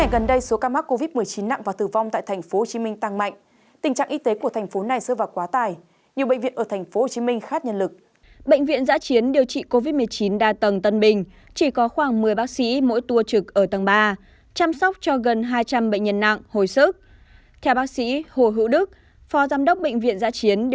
các bạn hãy đăng ký kênh để ủng hộ kênh của chúng mình nhé